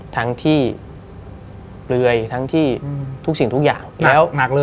ทั้งที่เรื่อยทั้งที่ทุกสิ่งทุกอย่าง